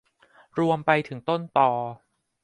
รวมไปถึงต้นคอ